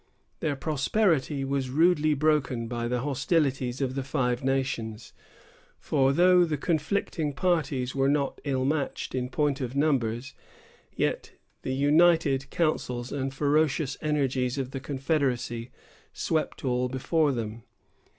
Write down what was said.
Their prosperity was rudely broken by the hostilities of the Five Nations; for though the conflicting parties were not ill matched in point of numbers, yet the united counsels and ferocious energies of the confederacy swept all before them.